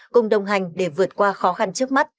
cùng đồng hành để vượt qua khó khăn